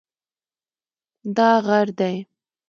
دا غر دی